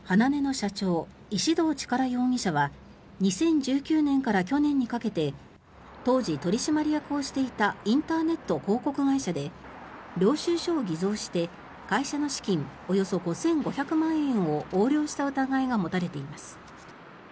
ｈａｎａｎｅの社長石動力容疑者は２０１９年から去年にかけて当時、取締役をしていたインターネット広告会社で領収書を偽造して会社の資金およそ５５００万円を横領した疑いが持たれています。